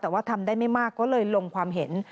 แต่ว่าทำได้ไม่มากก็เลยลงความเห็น